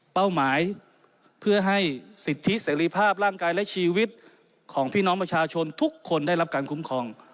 หมายเพื่อให้สิทธิเสรีภาพร่างกายและชีวิตของพี่น้องประชาชนทุกคนได้รับการคุ้มครอง